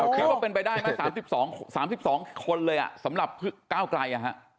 คิดว่าเป็นไปได้ไหม๓๒คนเลยสำหรับก้าวไกล